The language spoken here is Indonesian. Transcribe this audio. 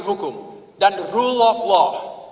hukum dan rule of law